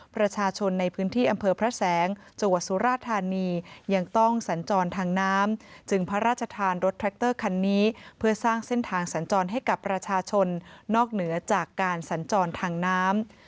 เป็นทางสัญจรให้กับประชาชนนอกเหนือจากการสัญจรทางน้ำ